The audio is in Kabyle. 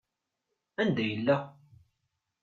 Anda yella?